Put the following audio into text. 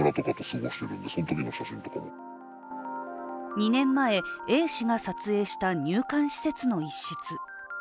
２年前、Ａ氏が撮影した入管施設の一室。